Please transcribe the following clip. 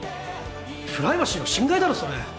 プライバシーの侵害だろそれ！